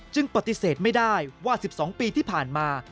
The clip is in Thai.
ปฏิเสธไม่ได้ว่า๑๒ปีที่ผ่านมา